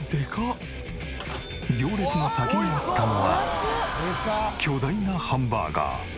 行列の先にあったのは巨大なハンバーガー。